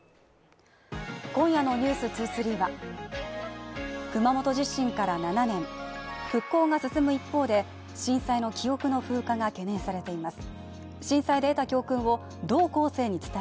今夜の「ｎｅｗｓ２３」は熊本地震から７年、復興が進む一方で震災の記憶の風化が懸念されています。